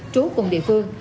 trú cùng địa phương